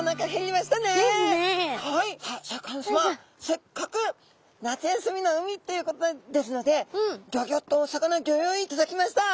せっかく夏休みの海ということですのでギョギョッとお魚ギョ用意いただきました。